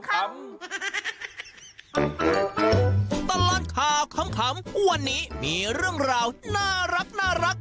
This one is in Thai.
ตลอดข่าวขำวันนี้มีเรื่องราวน่ารัก